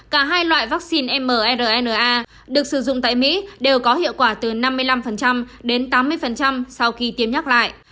cả hai loại vaccine mrna được sử dụng tại mỹ đều có hiệu quả từ năm mươi năm đến tám mươi sau khi tiêm nhắc lại